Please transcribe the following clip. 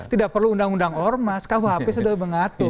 tidak perlu undang undang ormas kuhp sudah mengatur